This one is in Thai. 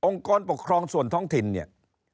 กรปกครองส่วนท้องถิ่นเนี่ย